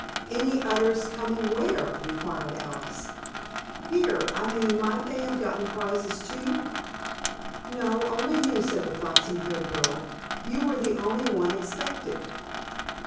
"Any others coming where?" inquired Alice. "Here. I mean, might they have gotten prizes, too?" "No, only you," said the flaxen haired girl. "You were the only one expected."